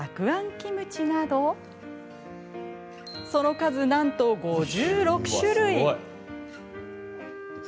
キムチなどその数、なんと５６種類。